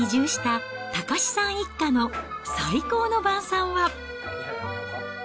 中ノ島に移住した岳さん一家の最高の晩さんは。